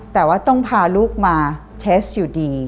แต่ว่าต้องพาลูกมาเทสอยู่ดี